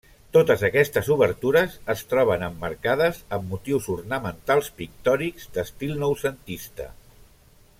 Totes aquestes obertures es troben emmarcades amb motius ornamentals pictòrics d'estil noucentista.